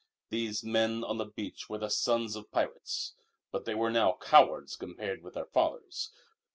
These men on the beach were the sons of pirates. But they were now cowards compared with their fathers.